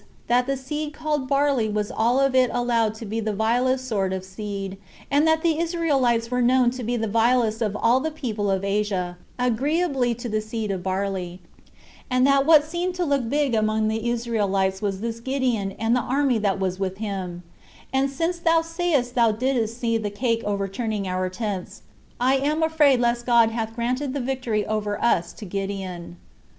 That the seed called barley was all of it allowed to be of the vilest sort of seed, and that the Israelites were known to be the vilest of all the people of Asia, agreeably to the seed of barley, and that what seemed to look big among the Israelites was this Gideon and the army that was with him; "and since thou sayest thou didst see the cake overturning our tents, I am afraid lest God hath granted the victory over us to Gideon."